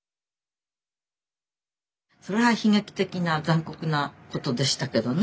それは悲劇的な残酷なことでしたけどね。